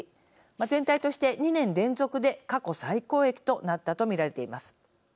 全体として２年連続で過去最高益となったと見られています。